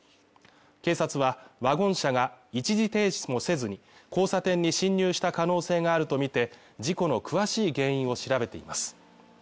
警察はワゴン車が一時停止もせずに交差点に進入した可能性があるとみて事故の詳しい原因を調べています